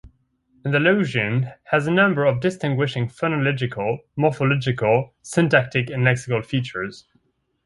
Andalusian has a number of distinguishing phonological, morphological, syntactic and lexical features.